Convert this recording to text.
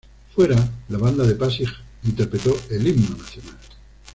Fuera, la banda de Pasig interpretó el Himno Nacional.